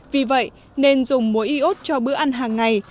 vì vậy nên dùng muối y ốt cho bữa ăn hàng ngày